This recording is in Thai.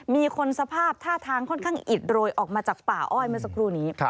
มีคนสภาพท่าทางค่อนข้างอิดโรยออกมาจากป่าอ้อยเมื่อสักครู่นี้